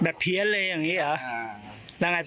แบบเพี้ยเล่อย่างนี้หรือแล้วไงต่อ